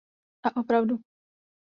A opravdu.